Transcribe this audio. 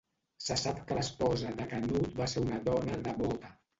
Se sap que l'esposa de Canut va ser una dona devota.